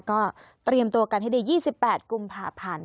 ก็เตรียมตัวกันให้ดี๒๘กุมภาพันธ์